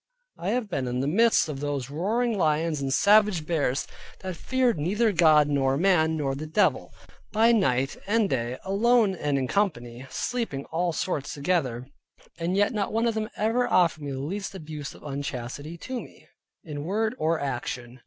I have been in the midst of those roaring lions, and savage bears, that feared neither God, nor man, nor the devil, by night and day, alone and in company, sleeping all sorts together, and yet not one of them ever offered me the least abuse of unchastity to me, in word or action.